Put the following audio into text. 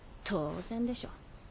当然でしょ。